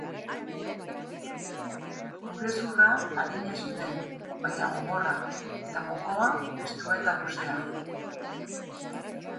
Burezurra arina zuten, baina gogorra, eta mokoa estua eta luzea.